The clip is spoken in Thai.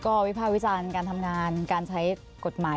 ก็วิภาควิจารณ์การทำงานการใช้กฎหมาย